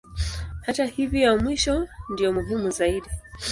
Hata hivyo ya mwisho ndiyo muhimu zaidi.